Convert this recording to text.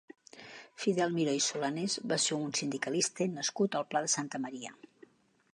Fidel Miró i Solanes va ser un sindicalista nascut al Pla de Santa Maria.